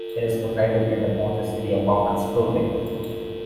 It is located near the Ponte City Apartments building.